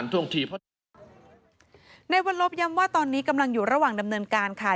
ในวันลบย้ำว่าตอนนี้กำลังอยู่ระหว่างดำเนินการค่ะ